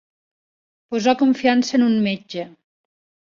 Posar confiança en un metge.